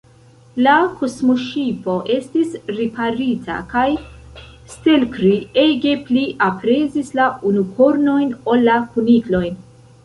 La kosmoŝipo estis riparita, kaj Stelkri ege pli aprezis la unukornojn ol la kuniklojn.